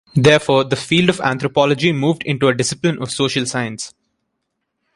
Therefore, the field of anthropology moved into a discipline of social science.